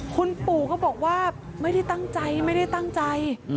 คุณปู่ก็บอกว่าไม่ได้ตั้งใจ